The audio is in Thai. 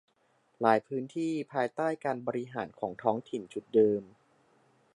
หลายพื้นที่ภายใต้การบริหารของท้องถิ่นชุดเดิม